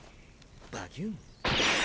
バキューン。